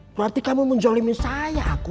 berarti kamu menjolimi saya aku